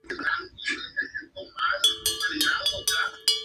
Inclusive un dinosaurio "porque en aquel entonces no existían los pollos".